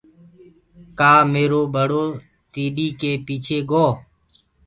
ڪآ ميرو ٻڙو تيڏ ڪي پيڇي گو۔